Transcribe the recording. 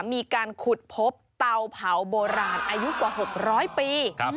มีการขุดพบเตาเผาโบราณอายุกว่า๖๐๐ปี